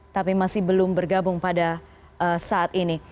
tapi masih belum bergabung pada saat ini